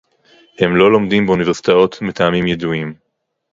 הם לא לומדים באוניברסיטאות מטעמים ידועים